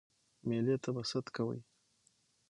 ميلمه ته به ست کوئ